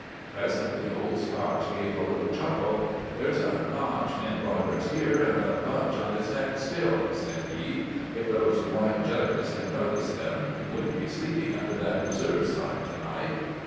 Presently Old Scotch gave a little chuckle. " There 's a notch in Roderick's ear and a bunch on his neck still," said he. '* If those blind judges had noticed them, he would n't be sleeping under that ' Reserve ' sign to night."